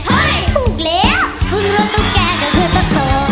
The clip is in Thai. ต่อมาจนแกบึงรู้ตุ๊กแกก็คือตุ๊กโต